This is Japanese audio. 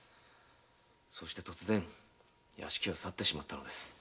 そして突然屋敷を去ってしまったのです。